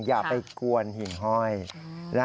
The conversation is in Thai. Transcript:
อย่าไปกวนหินห้อย